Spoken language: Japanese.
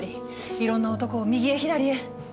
いろんな男を右へ左へ。